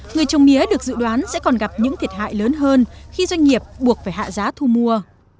người trồng mía được dự đoán sẽ còn gặp những thiệt hại lớn hơn khi doanh nghiệp buộc phải hạ giá thu mua